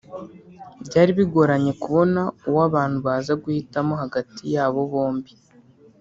Byari bigoranye kubona uwo abantu baza guhitamo hagati y’abo bombi